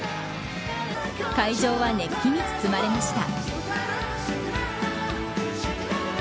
会場は熱気に包まれました。